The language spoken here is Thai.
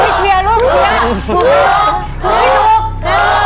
ไม่เชียรูปเชียร์